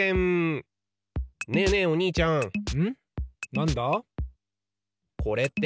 なんだ？